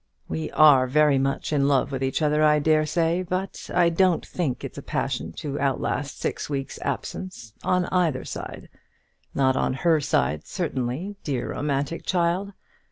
We are very much in love with each other, I dare say; but I don't think it's a passion to outlast six weeks' absence on either side, not on her side certainly, dear romantic child!